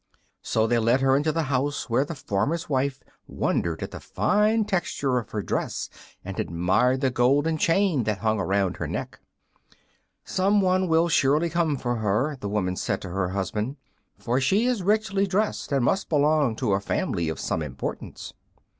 So they led her into the house, where the farmer's wife wondered at the fine texture of her dress and admired the golden chain that hung around her neck. "Some one will surely come for her," the woman said to her husband, "for she is richly dressed and must belong to a family of some importance."